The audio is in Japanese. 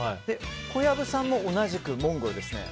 小籔さんも同じくモンゴルですね。